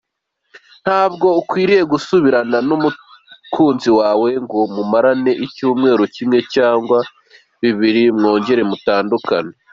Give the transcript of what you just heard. Ntabwo ukwiye gusubirana n’umukunzi wawe ngo mumarane icyumweru kimwe cyangwa bibiri mwongere mutandukane.